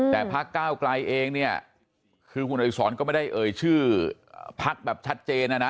แต่พักก้าวไกลเองเนี่ยคือคุณอริสรก็ไม่ได้เอ่ยชื่อพักแบบชัดเจนนะนะ